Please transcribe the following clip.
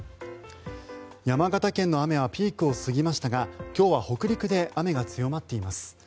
山形県の雨はピークを過ぎましたが今日は北陸で雨が強まっています。